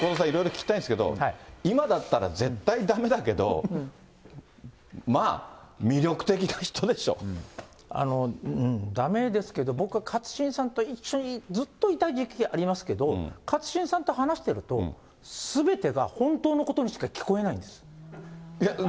いろいろ聞きたいんだけど、今だったら絶対だめだけど、まあ、魅力的な人でしだめですけど、僕、勝新さんと一緒に、ずっといた時期ありますけど、勝新さんと話してると、すべてが本当のことにしか聞こえないんです。